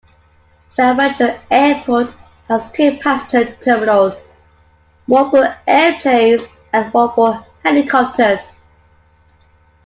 Stavanger Airport has two passenger terminals, one for airplanes and one for helicopters.